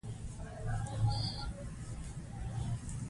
تکل له موږ څخه برکت له خدایه.